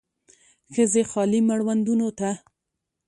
ښځې خالي مړوندونو ته